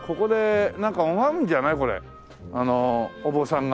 あのお坊さんが。